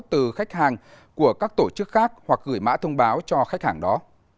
từ khách hàng của các tổ chức khác hoặc gửi mã thông báo cho khách hàng đó